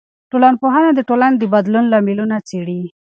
ټولنپوهنه د ټولنې د بدلون لاملونه څېړي.